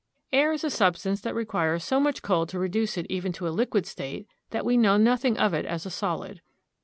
Air is a substance that requires so much cold to reduce it even to a liquid state that we know nothing of it as a solid.